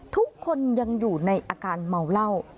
ทุกคนยังอยู่ในอาการเมาเหล้า